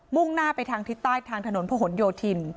่งหน้าไปทางทิศใต้ทางถนนพะหนโยธิน